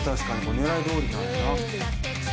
狙いどおりなんやな」